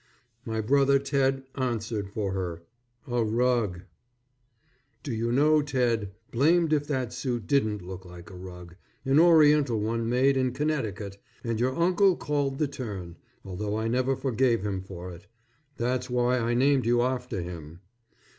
My brother Ted answered for her, "A rug." Do you know Ted, blamed if that suit didn't look like a rug, an oriental one made in Connecticut, and your Uncle called the turn, although I never forgave him for it. That's why I named you after him.